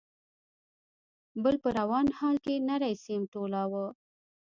، بل په روان حال کې نری سيم ټولاوه.